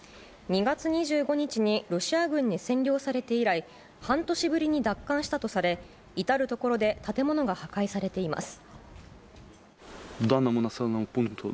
２月２５日に、ロシア軍に占領されて以来、半年ぶりに奪還したとされ、至る所で建物が破壊されています。